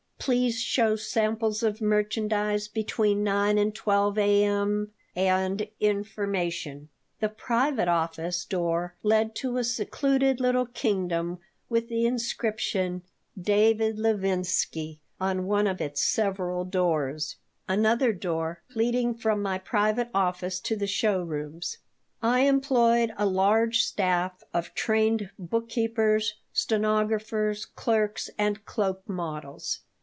Please show samples of merchandise between 9 and 12 A.M.," and "Information." The "Private Office" door led to a secluded little kingdom with the inscription "David Levinsky" on one of its several doors, another door leading from my private office to the showrooms I employed a large staff of trained bookkeepers, stenographers, clerks, and cloak models.